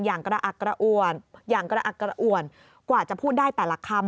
อย่างกระอักกระอ่วนกว่าจะพูดได้แต่ละคำ